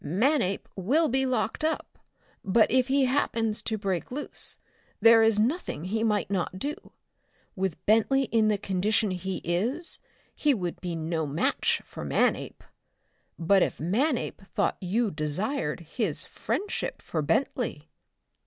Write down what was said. Manape will be locked up, but if he happens to break loose there is nothing he might not do. With Bentley in the condition he is he would be no match for Manape. But if Manape thought you desired his friendship for Bentley...?"